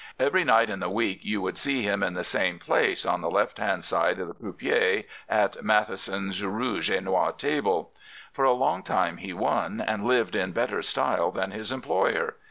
Every night in the week you would see him in the same place, on the left hand side of the croupier at Matheson's rouge et noir table. For a long time he won, and lived in better style than his employer.